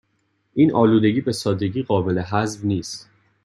این آلودگی به سادگی قابل حذف نیست